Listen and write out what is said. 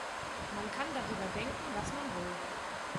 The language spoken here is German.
Man kann darüber denken, was man will.